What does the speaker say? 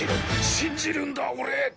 信じるんだ俺！